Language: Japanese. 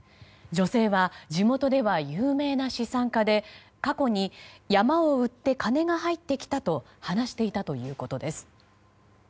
女性は地元では有名な資産家で過去に山を売って金が入ってきたと話していたということです。